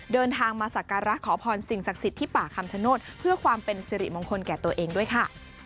เดินทางมาสักการะขอพรสิ่งศักดิ์สิทธิ์ที่ป่าคำชโนธเพื่อความเป็นสิริมงคลแก่ตัวเองด้วยค่ะ